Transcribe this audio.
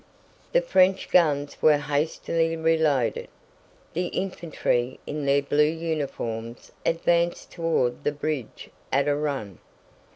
The French guns were hastily reloaded. The infantry in their blue uniforms advanced toward the bridge at a run.